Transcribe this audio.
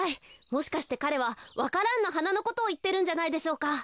もしかしてかれはわか蘭のはなのことをいってるんじゃないでしょうか。